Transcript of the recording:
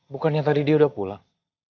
bukannya tadi dia udah pulang